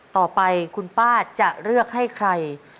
ต่อไปคุณป้าจะเลือกให้ใคร